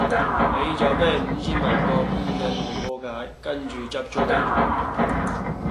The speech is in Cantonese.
你就比五千萬個官庭外和解，跟住執左間廠